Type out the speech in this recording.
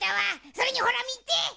それにほらみて！